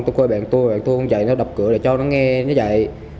tôi coi bạn tôi bạn tôi không dạy nó đập cửa để cho nó nghe nó dạy